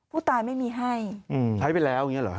ไม่มีให้ใช้ไปแล้วอย่างนี้เหรอ